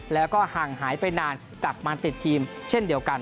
แล้วก็ห่างหายไปนานกลับมาติดทีมเช่นเดียวกัน